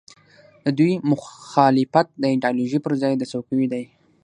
د دوی مخالفت د ایډیالوژۍ پر ځای د څوکیو دی.